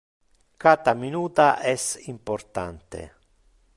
Cata minuta es importante.